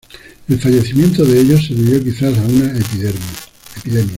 El fallecimiento de ellos se debió quizás a una epidemia.